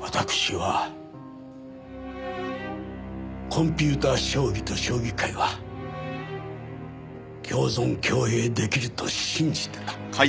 わたくしはコンピューター将棋と将棋界は共存共栄出来ると信じてた。